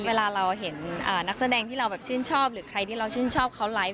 เวลาเราเห็นนักแสดงที่เราแบบชื่นชอบหรือใครที่เราชื่นชอบเขาไลฟ์